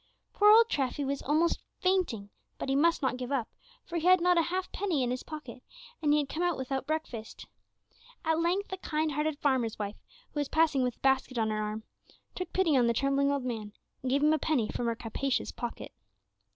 Poor old Treffy was almost fainting, but he must not give up, for he had not a half penny in his pocket, and he had come out without breakfast. At length a kind hearted farmer's wife, who was passing with a basket on her arm, took pity on the trembling old man, and gave him a penny from her capacious pocket.